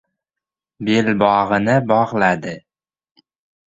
Belbog‘ini bog‘ladi.